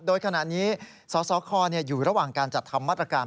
โดยขณะนี้สสคอยู่ระหว่างการจัดทำมาตรการ